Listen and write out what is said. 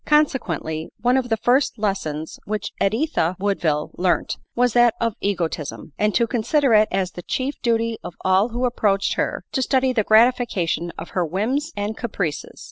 Consequently, one of the first lessons which Editha Woodville learnt was that of egotism, and to consider it as the chief duty of all who approached her, to study the gratification of her whims and caprices.